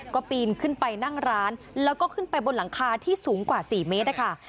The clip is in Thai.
ก็ปีนขึ้นไปนั่งร้านแล้วก็ขึ้นไปบนหลังคาที่สูงกว่า๔เมตรนะคะ